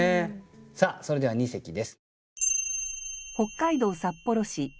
さあそれでは二席です。